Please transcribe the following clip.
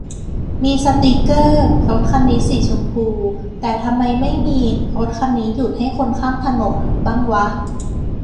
มีสติกเกอร์ "รถคันนี้สีชมพู" แต่ทำไมไม่มี "รถคันนี้หยุดให้คนข้ามถนน" บ้างวะ